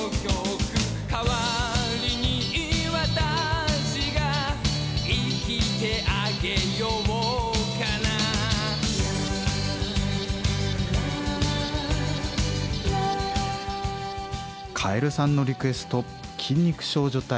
代わりに私が生きてあげようかなかえるさんのリクエスト筋肉少女帯